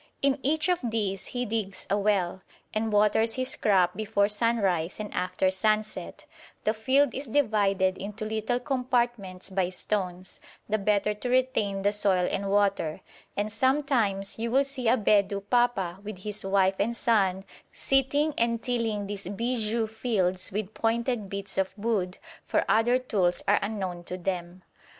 In each of these he digs a well, and waters his crop before sunrise and after sunset; the field is divided into little compartments by stones, the better to retain the soil and water; and sometimes you will see a Bedou papa with his wife and son sitting and tilling these bijou fields with pointed bits of wood, for other tools are unknown to them.